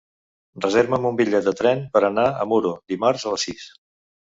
Reserva'm un bitllet de tren per anar a Muro dimarts a les sis.